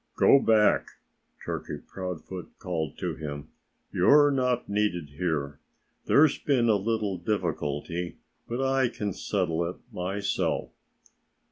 "Go back!" Turkey Proudfoot called to him. "You're not needed here. There's been a little difficulty; but I can settle it myself."